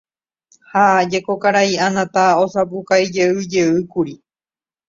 Ha jeko karai Anata osapukaijeyjeýkuri